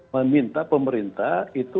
meminta pemerintah itu